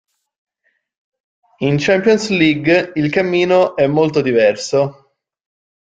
In Champions League il cammino è molto diverso.